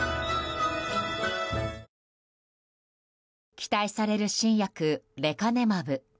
期待される新薬レカネマブ。